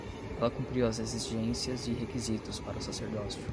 Ela cumpriu as exigências e requisitos para o sacerdócio